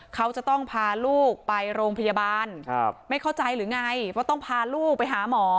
เขาจะต้องพาลูกไปโรงพยาบาลไม่เข้าใจหรือไงว่าต้องพาลูกไปหาหมอ